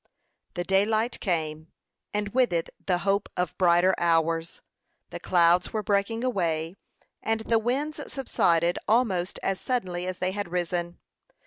The daylight came, and with it the hope of brighter hours. The clouds were breaking away, and the winds subsided almost as suddenly as they had risen.